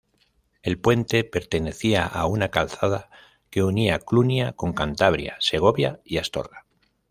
El puente pertenecía a una calzada que unía Clunia con Cantabria, Segovia y Astorga.